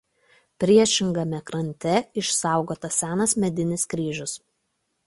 Priešingame krante išsaugotas senas medinis kryžius.